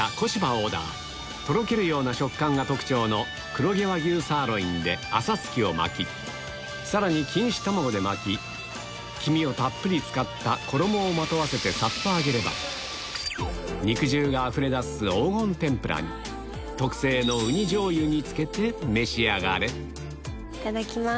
オーダーとろけるような食感が特徴の黒毛和牛サーロインでさらに黄身をたっぷり使った衣をまとわせてさっと揚げれば肉汁があふれ出す黄金天ぷらに特製の雲丹醤油につけて召し上がれいただきます。